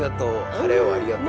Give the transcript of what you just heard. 晴れをありがとう。